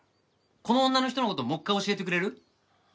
この女の人の事もう一回教えてくれる？